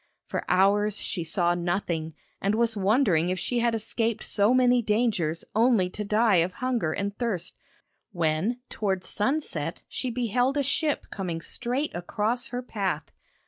For hours she saw nothing, and was wondering if she had escaped so many dangers only to die of hunger and thirst, when towards sunset she beheld a ship coming straight across her path.